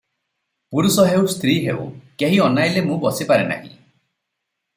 ପୁରୁଷ ହେଉ ସ୍ତ୍ରୀ ହେଉ, କେହି ଅନାଇଲେ ମୁଁ ବସିପାରେ ନାହିଁ ।"